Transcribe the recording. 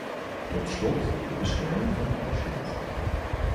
Tot slot, de bescherming van de patiënt.